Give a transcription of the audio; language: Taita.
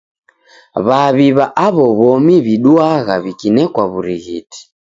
W'aw'i w'a aw'o w'omi w'iduagha w'ikinekwa w'urighiti.